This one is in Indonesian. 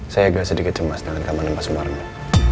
saya agak sedikit cemas dengan keamanan pak sumarno